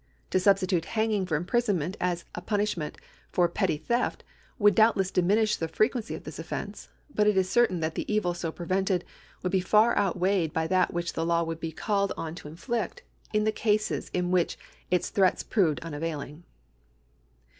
To substitute hanging for imprisonment as the punishment for petty theft would doubtless diminish the frequency of this offence, but it is certain that the evil so prevented would be far outweighed by that which the law would be called on to inflict in the cases in which its threats proved unavailing.